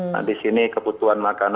nah di sini kebutuhan makanan air ya